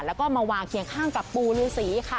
แล้วก็มาวางเคียงข้างกับปูฤษีค่ะ